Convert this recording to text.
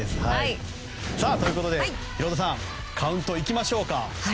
ということでヒロドさんカウント、いきましょうか。